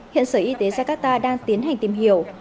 hiện sở y tế jakarta đang tiến hành tìm hiểu